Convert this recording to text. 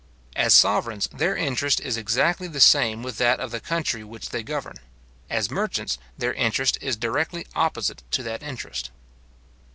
As sovereigns, their interest is exactly the same with that of the country which they govern. As merchants, their interest is directly opposite to that interest.